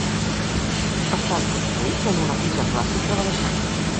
Estan construïts en una finca clàssica de l'Eixample.